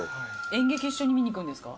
演劇一緒に見に行くんですか？